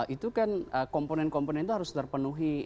itu kan komponen komponen itu harus terpenuhi